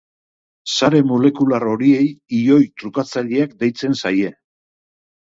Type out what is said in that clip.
Sare molekular horiei ioi trukatzaileak deitzen zaie.